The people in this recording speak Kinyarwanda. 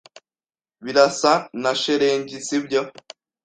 Birasa na shelegi, sibyo?